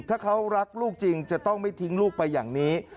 ถ้าเขารักลูกจริงจะต้องไม่ทิ้งลูกไปอย่างนี้